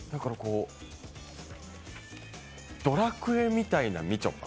ドラクエみたいなみちょぱ。